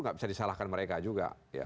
tidak bisa disalahkan mereka juga ya